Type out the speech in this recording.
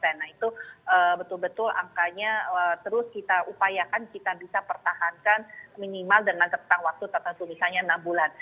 nah itu betul betul angkanya terus kita upayakan kita bisa pertahankan minimal dengan tentang waktu tertentu misalnya enam bulan